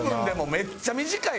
めっちゃ短い。